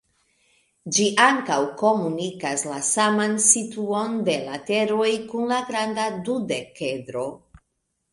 Ĝi ankaŭ komunigas la saman situon de lateroj kun la granda dudekedro.